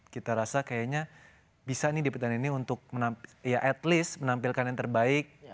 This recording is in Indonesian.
kita rasa kayaknya bisa nih di pertandingan ini untuk at least menampilkan yang terbaik